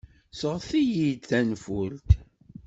Sɣet-iyi-d tanfult.